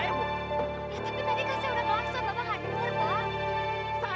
saya udah lewat ibu masih aja nabrak